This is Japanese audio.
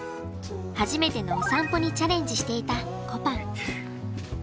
初めてのお散歩にチャレンジしていたこぱん。